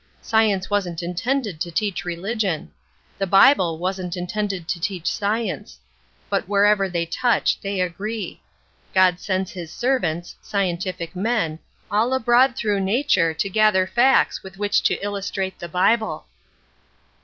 Science wasn't intended to teach religion. The Bible wasn't intended to teach science; but wherever they touch they agree. God sends his servants scientific men all abroad through nature to gather facts with which to illustrate the Bible."